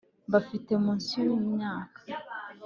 bafite munsi yu myaka